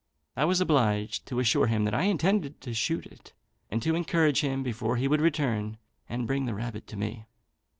I was obliged to assure him that I intended to shoot it, and to encourage him before he would return and bring the rabbit to me.